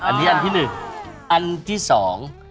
อันนี้อันที่หนึ่งอันที่สอง